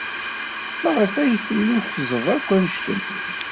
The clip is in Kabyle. Maɣef ay tellukkzed akk anect-nni?